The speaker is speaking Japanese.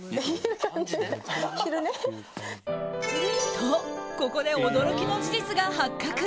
と、ここで驚きの事実が発覚。